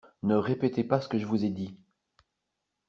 Ne répétez pas ce que je vous ai dit.